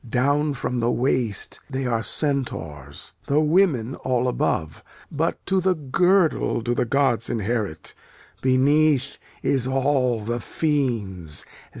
Down from the waist they are Centaurs, Though women all above. But to the girdle do the gods inherit, Beneath is all the fiend's.